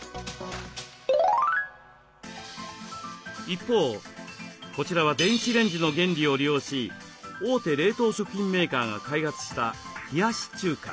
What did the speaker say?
一方こちらは電子レンジの原理を利用し大手冷凍食品メーカーが開発した冷やし中華。